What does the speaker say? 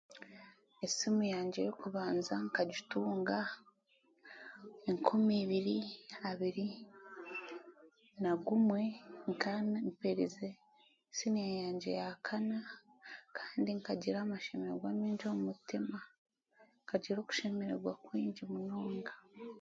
Esiimu yangye y'okubanza nk'agitunga enkumi ebiiri abiiri n'agumwe, nkaba mperize siniya yangye y'akana, kandi nkagira amashemererwa mingyi omumutiima, nkagira okushemererwa kwingyi munonga.